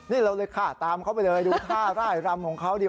นี่เราเลยค่ะตามเขาไปเลยดูท่าร่ายรำของเขาดี